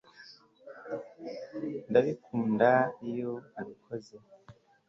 ndabikunda iyo abikoze